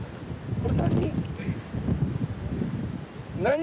何？